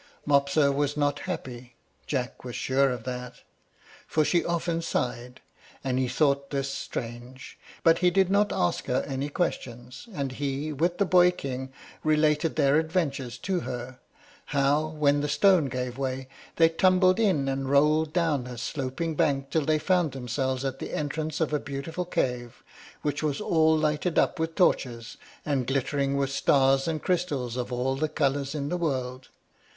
Mopsa was not happy, Jack was sure of that, for she often sighed; and he thought this strange. But he did not ask her any questions, and he, with the boy king, related their adventures to her: how, when the stone gave way, they tumbled in and rolled down a sloping bank till they found themselves at the entrance of a beautiful cave, which was all lighted up with torches, and glittering with stars and crystals of all the colors in the world.